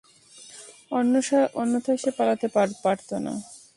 অন্যথায় সে পালাতে পারত না।